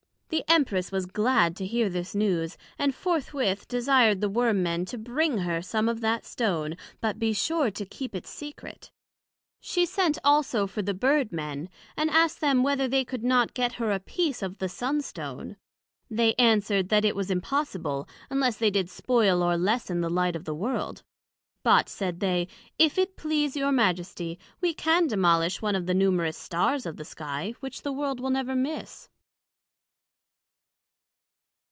The Empress was glad to hear this news, and forthwith desired the Worm men to bring her some of that Stone, but be sure to keep it secret: she sent also for the Bird men, and asked them whether they could not get her a piece of the Sun stone? They answered, That it was impossible, unless they did spoil or lessen the light of the World: but, said they, if it please your Majesty, we can demolish one of the numerous Stars of the Sky, which the World will never miss.